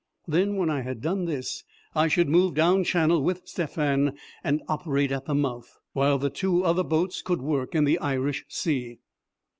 Then when I had done this I should move down Channel with Stephan and operate at the mouth, while the other two boats could work in the Irish Sea.